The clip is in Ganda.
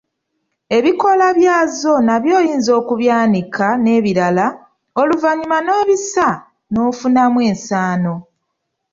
Ebikoola byazo nabyo oyinza okubyanika ne bikala, oluvannyuma n’obisa n’ofunamu ensaano.